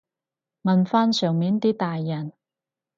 問返上面啲大人